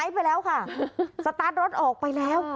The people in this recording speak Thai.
ไปแล้วค่ะสตาร์ทรถออกไปแล้ว